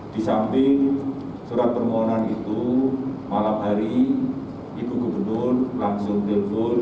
di samping surat permohonan itu malam hari ibu gubernur langsung telpon